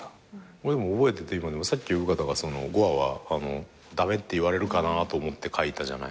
俺も覚えてて今でもさっき生方が５話は駄目って言われるかなと思って書いたじゃない。